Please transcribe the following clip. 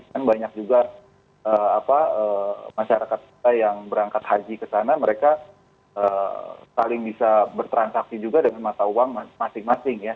dan banyak juga masyarakat yang berangkat haji ke sana mereka saling bisa bertransaksi juga dengan mata uang masing masing ya